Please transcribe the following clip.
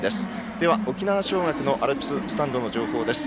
では沖縄尚学のアルプススタンドの情報です。